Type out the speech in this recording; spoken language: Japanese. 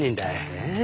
ええ？